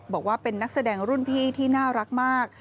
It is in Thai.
บอกว่าเป็นนักแสดงรุ่นพี่ที่น่ารักมาก